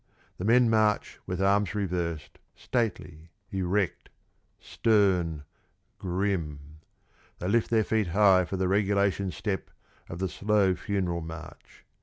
The men march with arms reversed, stately, erect, stern, grim. They lift their feet high for the regulation step of the slow, funeral march.